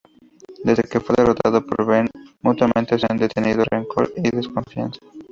Desde que fue derrotado por Ben, mutuamente se han tenido rencor y desconfianza.